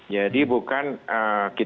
jadi bukan kita berpikir